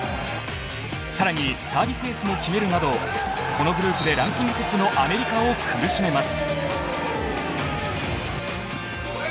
更に、サービスエースも決めるなどこのグループでランキングトップのアメリカを苦しめます。